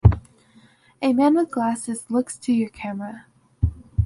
A man with glasses looks to your camera.